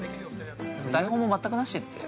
台本も全くなしって。